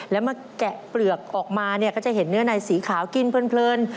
แล้วมาแกะเปลือกออกมาเนี่ยก็จะเห็นเนื้อในสีขาวกินเพลิน